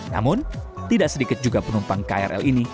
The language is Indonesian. namun tidak sedikit juga penumpang krl ini